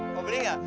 mau beli gak